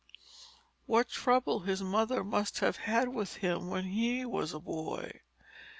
What trouble his mother must have had with him when he was a boy!